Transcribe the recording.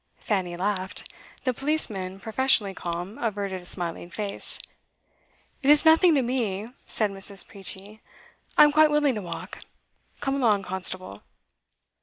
Fanny laughed. The policeman, professionally calm, averted a smiling face. 'It's nothing to me,' said Mrs. Peachey. 'I'm quite willing to walk. Come along, constable.